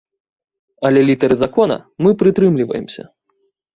Але літары закона мы прытрымліваемся.